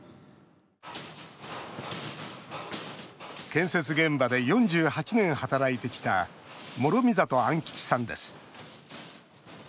建設現場で４８年働いてきた諸見里安吉さんです。